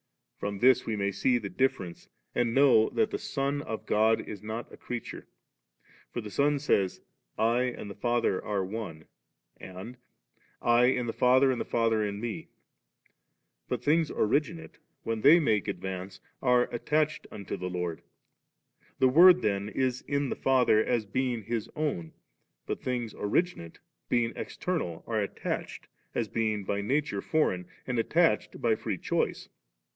From this we may see the difference, and know that the Son of God is not a creature. For the Son •ay% •! and the Father are One/ and, *I in the Father, and the Father m Me ;' but things originate when they make advance^ are at tached unto the Lord, The Word then is in the Father as being His own; but things originate, bein^ external, are attached, as being by nature foreign, and attached by free choice.